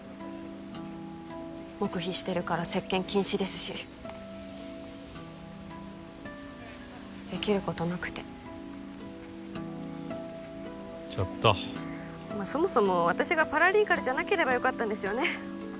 黙秘してるから接見禁止ですしできることなくてちょっとまあそもそも私がパラリーガルじゃなければよかったんですよね